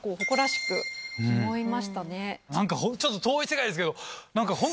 何かホントちょっと遠い世界ですけど。